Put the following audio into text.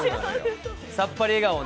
さっぱり笑顔を。